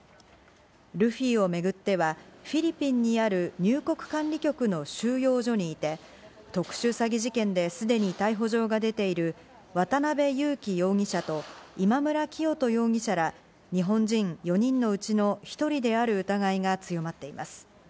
ルフィをめぐってはフィリピンにある入国管理局の収容所にいて特殊詐欺事件ですでに逮捕状が出ている渡辺優樹容疑者とイマムラキヨト容疑者ら日本人４人のうちの１人である疑いが強まっています。